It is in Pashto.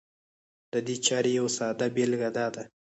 د دې چارې يوه ساده بېلګه دا ده